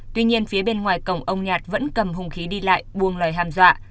tuy nhiên phía bên ngoài cổng ông nhạt vẫn cầm hùng khí đi lại buông lời hàm dọa